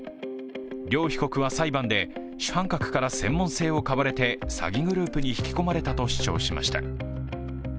両被告は裁判で、主犯格から専門性を買われて詐欺グループに引き込まれたと主張しました。